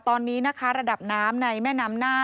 ตอนนี้นะคะระดับน้ำในแม่น้ำหน้า